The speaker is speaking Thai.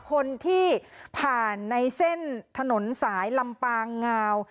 คนที่ผ่านในเส้นถนนสายลำปางงาว